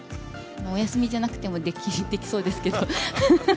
お休みじゃなくてもできそうですけど。